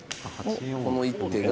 この一手が。